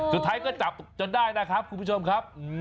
สุดท้ายก็จับจนได้นะครับคุณผู้ชมครับ